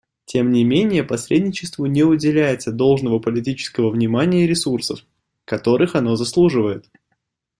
Тем не менее посредничеству не уделяется должного политического внимания и ресурсов, которых оно заслуживает.